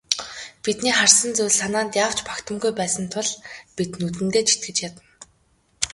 Бидний харсан зүйл санаанд яавч багтамгүй байсан тул бид нүдэндээ ч итгэж ядна.